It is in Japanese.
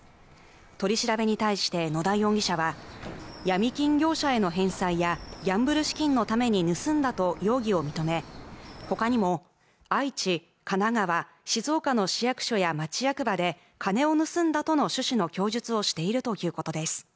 取り調べに対して野田容疑者はヤミ金業者への返済やギャンブル資金のために盗んだと容疑を認めほかにも愛知神奈川静岡の市役所や町役場で金を盗んだとの趣旨の供述をしているということです